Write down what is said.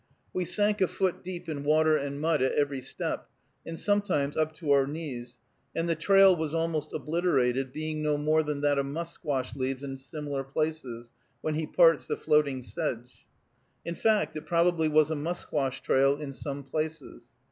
We sank a foot deep in water and mud at every step, and sometimes up to our knees, and the trail was almost obliterated, being no more than that a musquash leaves in similar places, when he parts the floating sedge. In fact, it probably was a musquash trail in some places.